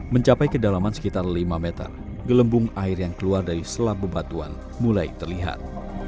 mencapai kedalaman sekitar lima meter gelembung air yang keluar dari sela bebatuan mulai terlihat